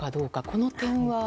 この点は。